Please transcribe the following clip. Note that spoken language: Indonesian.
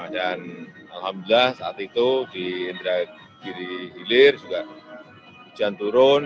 dan alhamdulillah saat itu di indra giri hilir juga hujan turun